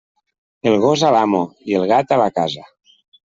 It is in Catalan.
El gos a l'amo, i el gat a la casa.